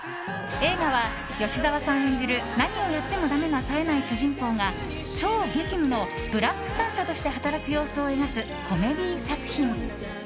映画は吉沢さん演じる何をやっても、だめなさえない主人公が超激務のブラックサンタとして働く様子を描くコメディー作品。